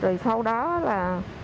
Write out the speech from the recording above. rồi sau đó là